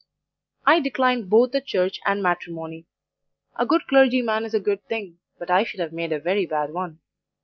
"I declined both the Church and matrimony. A good clergyman is a good thing, but I should have made a very bad one.